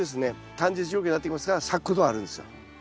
短日条件になってきますから咲くことがあるんですよ。